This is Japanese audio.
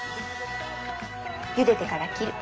ゆでてから切る。